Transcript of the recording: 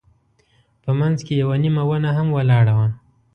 په منځ کې یوه نیمه ونه هم ولاړه وه.